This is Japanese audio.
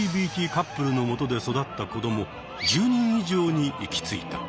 カップルのもとで育った子ども１０人以上に行き着いた。